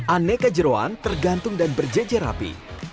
aneka jeruan tergantung dan berjejer rapi